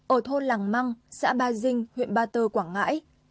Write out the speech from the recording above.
ở thôn làng măng xã ba dinh huyện ba tơ quảng ngãi